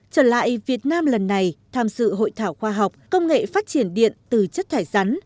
trở lại việt nam lần này tham dự hội thảo khoa học công nghệ phát triển điện từ chất thải rắn